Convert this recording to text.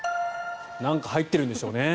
なんか入っているんでしょうね。